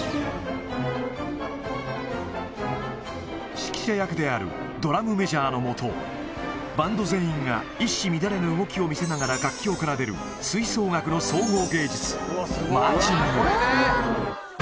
指揮者役であるドラムメジャーの下、バンド全員が一糸乱れぬ動きを見せながら楽器を奏でる吹奏楽の総合芸術、マーチング。